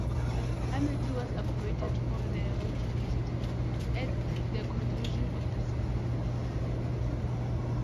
Amartey was upgraded from the rookie list at the conclusion of the season.